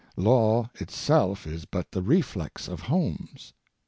Law itself is but the reflex of homes.